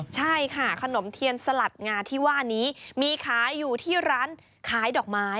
ใช่ค่ะขนมเทียนสลัดงาที่ว่านี้มีขายอยู่ที่ร้านขายดอกไม้